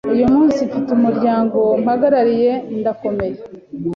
Uyu munsi mfite umuryango mpagarariye, ndakomeye